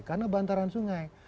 karena bantaran sungai